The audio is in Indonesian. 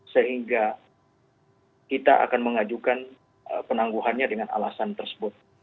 sehingga kita akan mengajukan penangguhannya dengan alasan tersebut